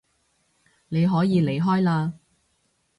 你可以離開嘞